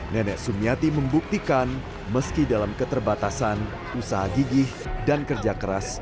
nenek sumiati membuktikan meski dalam keterbatasan usaha gigih dan kerja keras